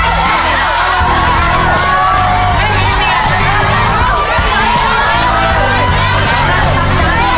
อ้าวจังหยุดนะ